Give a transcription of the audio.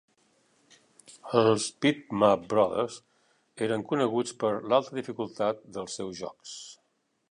Els Bitmap Brothers eren coneguts per l'alta dificultat dels seus jocs.